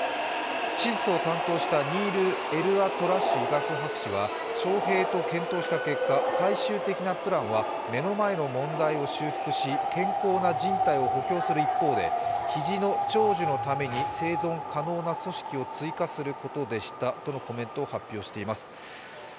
手術を担当したニール・エルアトラシ医学博士は翔平と検討した結果、最終的なプランは目の前の問題を修復し健康なじん帯を補強する一方で肘の長寿のために生存可能な組織を追加することでしたとのコメントを発表しています。